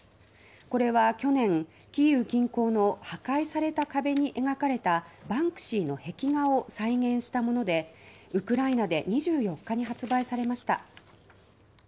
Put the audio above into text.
これは去年キーウ近郊の破壊された壁に描かれたバンクシーの壁画を再現したものでウクライナで２４日に発売されました。